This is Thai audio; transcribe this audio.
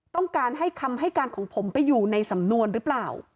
ต้องการให้คำให้การของผมไปอยู่ในสำนวนหรือเปล่า